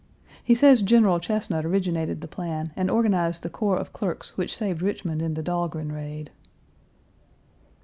He says General Chesnut originated the plan and organized the corps of clerks which saved Richmond in the Dahlgren raid.